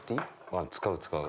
ああ使う使う。